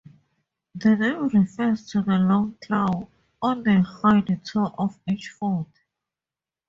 The name refers to the long claw on the hind toe of each foot.